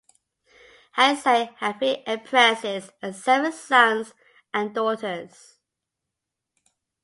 Heizei had three Empresses and seven sons and daughters.